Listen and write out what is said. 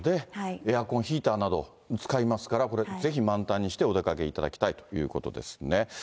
エアコン、ヒーターなど使いますから、これ、ぜひ満タンにしてお出かけいただきたいということですね。